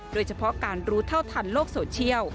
โดยเฉพาะการรู้เท่าทันโลกโซเชียล